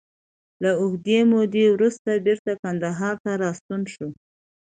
له اوږدې مودې وروسته بېرته کندهار ته راستون شو.